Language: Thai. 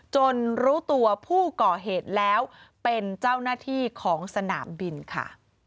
รู้ตัวผู้ก่อเหตุแล้วเป็นเจ้าหน้าที่ของสนามบินค่ะ